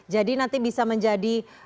jadi nanti bisa menjadi